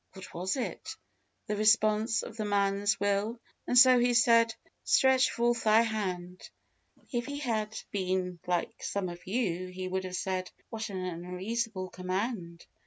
What was it? The response of the man's will; and so He said, "Stretch forth thy hand." If he had been like some of you, he would have said, "What an unreasonable command!